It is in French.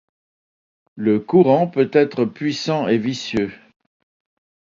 Le courant peut être puissant et vicieux.